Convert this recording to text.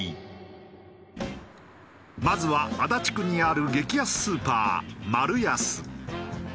まずは足立区にある激安スーパーマルヤス。